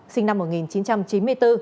sinh năm một nghìn chín trăm chín mươi bốn